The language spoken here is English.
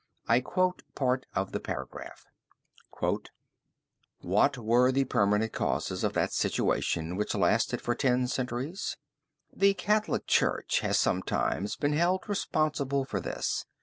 I quote part of the paragraph: "What were the permanent causes of that situation which lasted for ten centuries? The Catholic Church has sometimes been held responsible for this.